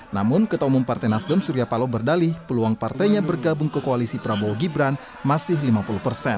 namun ketua umum partai nasdem surya palo berdali peluang partainya bergabung ke koalisi prabowo gibran masih lima puluh persen